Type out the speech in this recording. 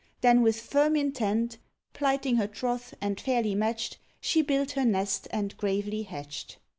Then with firm intent Plighting her troth, and fairly matched, She built her nest and gravely hatched.